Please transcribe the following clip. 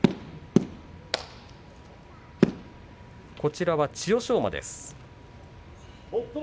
こちらは千代翔馬です。